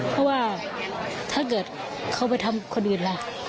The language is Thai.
เพราะว่าถ้าเกิดเขาไปทำคนอื่นล่ะ